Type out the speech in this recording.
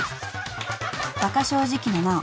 ［バカ正直のナオ］